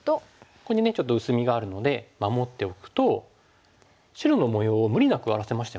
ここにねちょっと薄みがあるので守っておくと白の模様を無理なく荒らせましたよね。